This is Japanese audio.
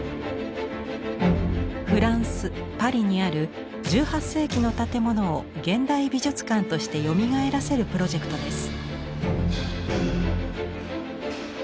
フランスパリにある１８世紀の建物を現代美術館としてよみがえらせるプロジェクトです。